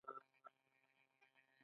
پښتو ادب ولې بډای دی؟